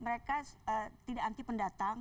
mereka tidak anti pendatang